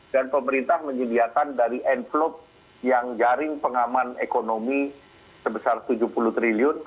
dan pemerintah menyediakan dari envelope yang jaring pengaman ekonomi sebesar rp tujuh puluh triliun